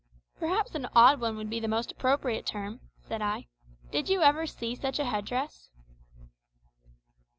"Perhaps an odd one would be the most appropriate term," said I. "Did you ever see such a headdress?"